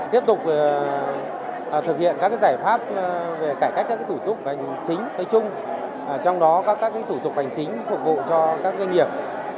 tiếp tục thực hiện các giải pháp về cải cách các thủ tục hành chính nói chung trong đó có các thủ tục hành chính phục vụ cho các doanh nghiệp